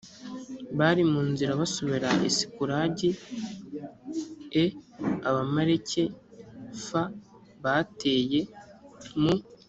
bari mu nzira basubira i sikulagi e abamaleki f bateye mu